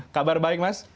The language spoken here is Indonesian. kabar baik mas